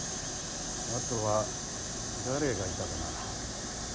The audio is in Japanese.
あとは誰がいたかなあ。